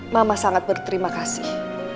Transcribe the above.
mama sangat berterima kasih